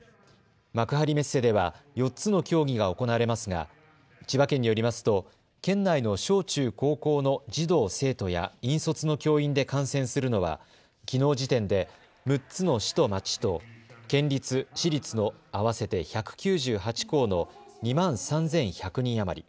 幕張メッセでは４つの競技が行われますが千葉県によりますと県内の小中高校の児童・生徒や引率の教員で観戦するのはきのう時点で６つの市と町と県立、私立の合わせて１９８校の２万３１００人余り。